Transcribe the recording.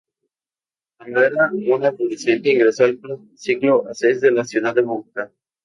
Cuándo era un adolescente, ingresó al club Ciclo Ases de la ciudad de Bogotá.